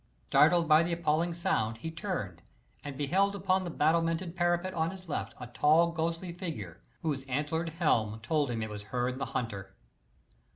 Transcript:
Startled by the appalling sound, he turned and beheld upon the battlemented parapet on his left a tall ghostly figure, whose antlered helm told him it was Herne the Hunter.